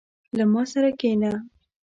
• له ما سره کښېنه.